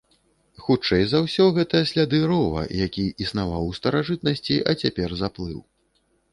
Хутчэй за ўсё гэта сляды рова, які існаваў у старажытнасці, а цяпер заплыў.